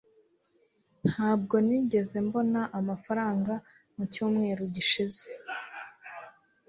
ntabwo nigeze mbona amafaranga mu cyumweru gishize